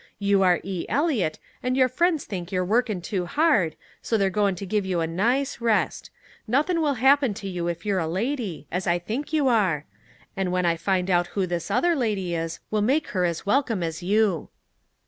You are E. Eliot, and your friends think you're workin' too hard, so they're goin' to give you a nice rest. Nothin' will happen to you if you are a lady, as I think you are. And when I find out who this other lady is, we'll make her as welcome as you!"